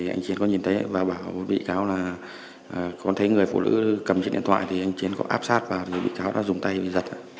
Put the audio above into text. anh chiến nhìn thấy và bảo bị cáo là có thấy người phụ nữ cầm điện thoại thì anh chiến có áp sát và bị cáo đã dùng tay giật